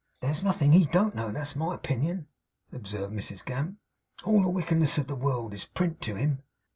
'There's nothin' he don't know; that's my opinion,' observed Mrs Gamp. 'All the wickedness of the world is Print to him.